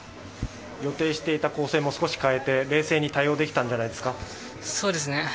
予定していた構成も少し変えて冷静に対応できたんじゃないですか？